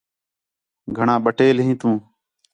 گھݨاں بَٹیل ہیں تُو